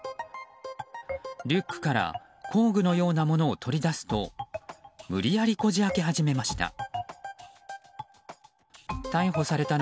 リュックから工具のようなものを取り出すと無理やりこじ開け始めました。